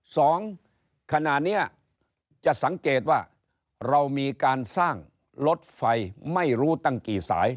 สองขณะนี้จะสังเกตว่าเรามีการสร้างรถไฟไม่รู้ตั้งกี่สาย